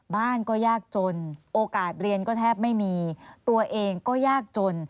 บ้านก็ยากจนโอกาสเรียนก็แทบไม่มีตัวเองก็ยากจน